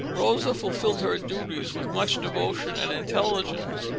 ] Rosa Bonheur fulfilled her duties with much devotion and intelligence.